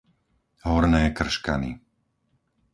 Horné Krškany